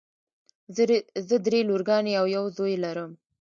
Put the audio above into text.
زه دری لورګانې او یو زوی لرم.